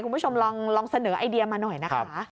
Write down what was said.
คุณผู้ชมลองเสนอไอเดียมาหน่อยนะคะ